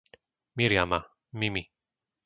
Miriama, Mimi